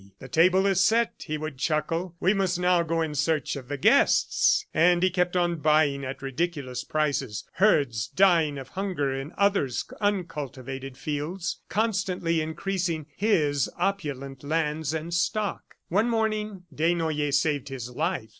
"The table is set," he would chuckle, "we must now go in search of the guests." And he kept on buying, at ridiculous prices, herds dying of hunger in others' uncultivated fields, constantly increasing his opulent lands and stock. One morning Desnoyers saved his life.